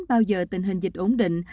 bao giờ tình hình dịch ổn định